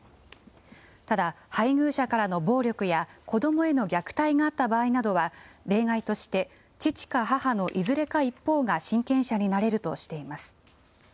ただ、配偶者からの暴力や子どもへの虐待があった場合などは、例外として、父か母のいずれか一方が親権者になれるとしています。